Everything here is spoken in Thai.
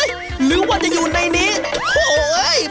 หรือว่าจะอยู่ในนี้